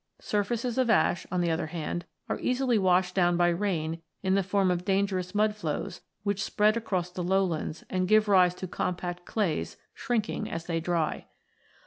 Surfaces of ash, on the other hand, are easily washed down by rain in the form of dangerous mud flows, which spread across the lowlands, and give rise to compact clays, shrinking as they dry.